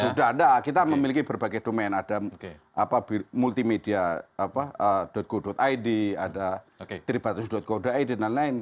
sudah ada kita memiliki berbagai domain ada multimedia go id ada tribatus co id dan lain lain